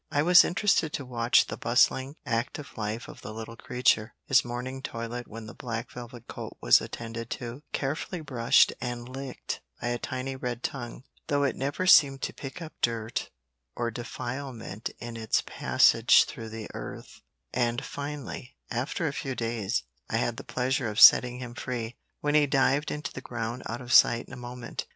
I was interested to watch the bustling, active life of the little creature; his morning toilet when the black velvet coat was attended to, carefully brushed and licked by a tiny red tongue (though it never seemed to pick up dirt or defilement in its passage through the earth) and finally, after a few days, I had the pleasure of setting him free, when he dived into the ground out of sight in a moment.